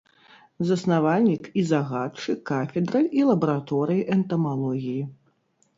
Заснавальнік і загадчык кафедры і лабараторыі энтамалогіі.